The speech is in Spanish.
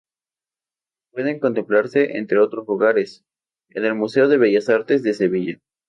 Pueden contemplarse, entre otros lugares, en el Museo de Bellas Artes de Sevilla.